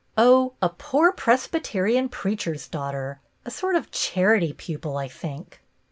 " Oh, a poor Presbyterian preacher's daughter, a sort of charity pupil, I think."